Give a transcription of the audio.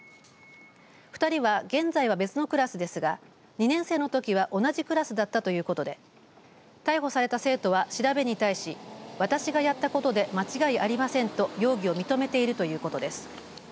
２人は現在は別のクラスですが２年生のときは同じクラスだったということで逮捕された生徒は調べに対し私がやったことで間違いありませんと容疑を認めているということです。